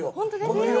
この色。